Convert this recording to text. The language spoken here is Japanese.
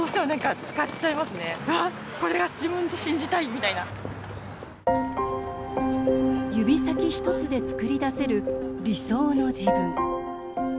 きれいに写るんで指先一つで作り出せる理想の自分。